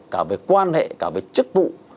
cả về quan hệ cả về chức vụ